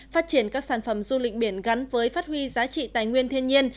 phát triển các sản phẩm du lịch biển gắn với phát huy giá trị tài nguyên thiên nhiên